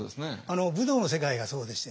武道の世界がそうでしてね